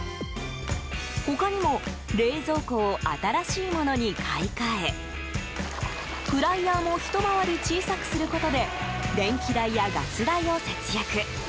他にも、冷蔵庫を新しいものに買い替えフライヤーもひと回り小さくすることで電気代やガス代を節約。